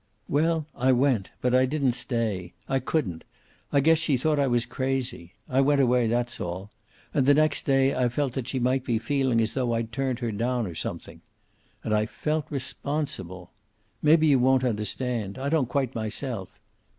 "Well, I went, but I didn't stay. I couldn't. I guess she thought I was crazy. I went away, that's all. And the next day I felt that she might be feeling as though I'd turned her down or something. And I felt responsible. Maybe you won't understand. I don't quite myself.